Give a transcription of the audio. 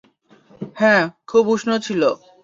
হ্যাঁ, খুব উষ্ণ ছিল।